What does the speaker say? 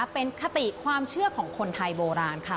เป็นคติความเชื่อของคนไทยโบราณค่ะ